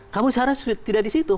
kamu sekarang tidak di situ